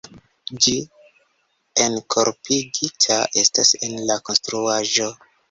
Ĝi enkorpigita estas en la konstruaĵo.